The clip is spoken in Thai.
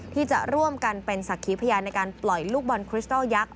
ที่จะร่วมกันเป็นสักขีพยานในการปล่อยลูกบอลคริสตอลยักษ